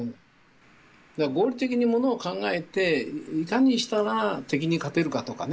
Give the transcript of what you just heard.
合理的に物を考えていかにしたら敵に勝てるかとかね